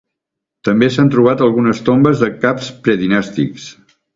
També s'han trobat algunes tombes de caps predinàstics.